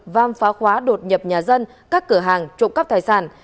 vam phá khóa đột nhập nhà dân các cửa hàng trộm cắp tài sản